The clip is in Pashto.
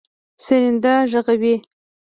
سرېنده غږوي.